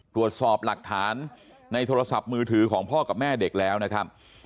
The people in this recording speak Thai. ตรวจสอบหลักฐานในโทรศัพท์มือถือของพ่อกับแม่เด็กแล้วนะครับ